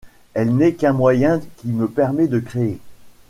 Elle n’est qu’un moyen qui me permet de créer.